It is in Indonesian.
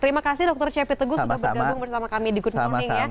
terima kasih dokter cepi teguh sudah bergabung bersama kami di good morning ya